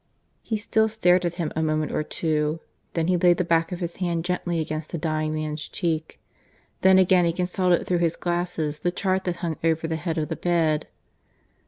He still stared at him a moment or two; then he laid the back of his hand gently against the dying man's cheek, then again he consulted through his glasses the chart that hung over the head of the bed.